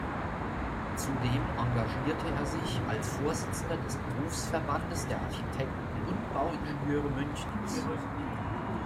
Zudem engagierte er sich als Vorsitzender des Berufsverbandes der Architekten und Bauingenieure Münchens.